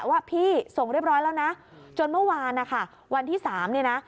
ว่าพี่ส่งเรียบร้อยแล้วนะจนเมื่อวานนะคะวันที่๓เนี่ยนะ